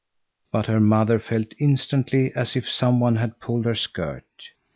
But her mother felt instantly as if some one had pulled her skirt.